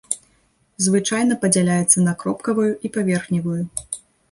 Звычайна падзяляецца на кропкавую і паверхневую.